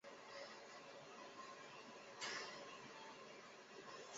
其后转任行政院大陆委员会参与大陆政策研究与制定。